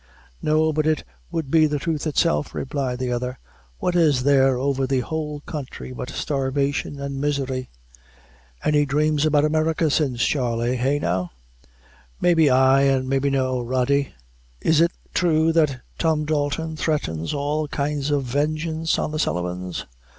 "No, but it would be the truth itself," replied the other. "What is there over the whole counthry but starvation and misery?" "Any dhrames about America since, Charley? eh, now?" "Maybe ay, and maybe no, Rody. Is it true that Tom Dalton threatens all kinds of vengeance on the Sullivans?"